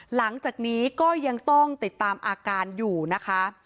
หลังจากนี้ก็ยังต้องติดตามอาการอยู่นะคะ